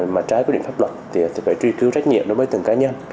mà trái quy định pháp luật thì phải truy cứu trách nhiệm đối với từng cá nhân